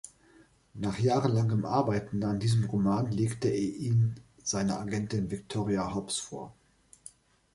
Nach jahrelangem Arbeiten an diesem Roman legte er ihn seiner Agentin Victoria Hobbs vor.